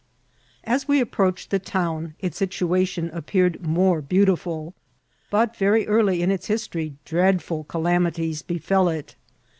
As we approached the town its situation appeared more beautiful ; but very early in its history dreadful calamities befell it.